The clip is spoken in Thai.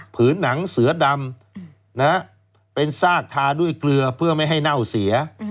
ผืนหนังเสือดำเป็นซากทาด้วยเกลือเพื่อไม่ให้เน่าเสีย